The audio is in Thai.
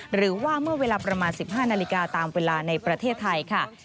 หรือว่าเมื่อเวลาประมาณ๑๕นาฬิกาตามเวลาในประเทศไทยค่ะ